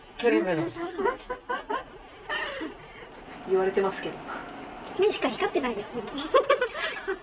言われてますけど？